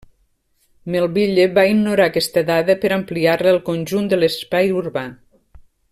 Melville va ignorar aquesta dada per ampliar-la al conjunt de l'espai urbà.